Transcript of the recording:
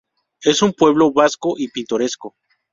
Es un pueblo vasco y pintoresco.